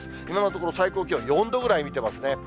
今のところ、最高気温４度ぐらい見てますね。